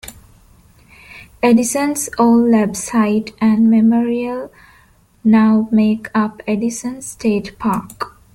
Edison's old lab site and memorial now make up Edison State Park.